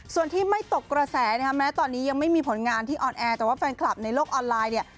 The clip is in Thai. ส่วนที่ไม่ตกกระแสนะคะแม้ตอนนี้ยังไม่มีผลงานที่ออนแอร์แต่ว่าแฟนคลับในโลกออนไลน์เนี่ย